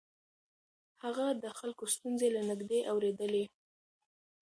هغه د خلکو ستونزې له نږدې اورېدلې.